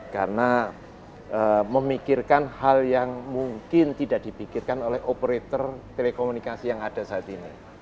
karena memikirkan hal yang mungkin tidak dipikirkan oleh operator telekomunikasi yang ada saat ini